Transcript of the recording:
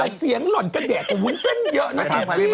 แต่เสียงหล่นกระแดกของวุ้นเส้นเยอะนะพี่